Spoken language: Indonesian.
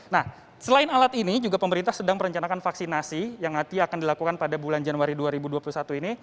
nah selain alat ini juga pemerintah sedang merencanakan vaksinasi yang nanti akan dilakukan pada bulan januari dua ribu dua puluh satu ini